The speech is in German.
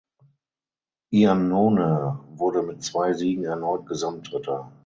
Iannone wurde mit zwei Siegen erneut Gesamtdritter.